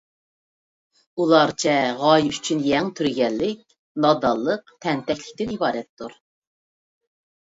ئۇلارچە غايە ئۈچۈن يەڭ تۈرگەنلىك نادانلىق، تەنتەكلىكتىن ئىبارەتتۇر.